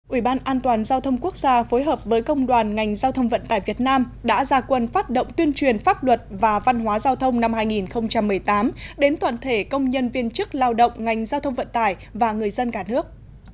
ủy ban an toàn giao thông quốc gia phối hợp với công đoàn ngành giao thông vận tải việt nam đã ra quân phát động tuyên truyền pháp luật và văn hóa giao thông năm hai nghìn một mươi tám đến toàn thể công nhân viên chức lao động ngành giao thông vận tải và người dân cả nước